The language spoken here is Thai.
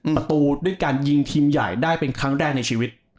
ประตูด้วยการยิงทีมใหญ่ได้เป็นครั้งแรกในชีวิต